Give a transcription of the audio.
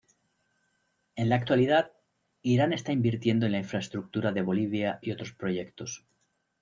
En la actualidad, Irán está invirtiendo en la infraestructura de Bolivia y otros proyectos.